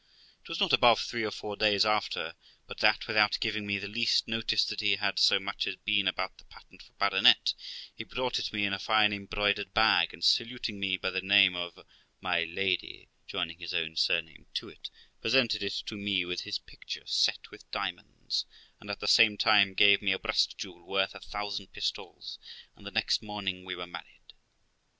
It was not above three or four days after, but that, without giving me the least notice that he had so much as been about the patent for baronet, he brought it me in a fine embroidered bag, and saluting me by the name of my Lady (joining his own surname to it), presented it to me with his picture set with diamonds, and at the same time gave me a breast jewel worth a thousand pistoles, and the next morning we were married.